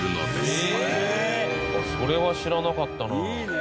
それは知らなかったなあ。